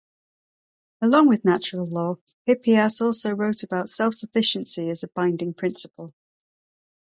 Along with natural law, Hippias also wrote about self-sufficiency as a binding principle.